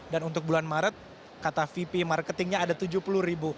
dan untuk bulan maret kata vp marketingnya ada tujuh puluh ribu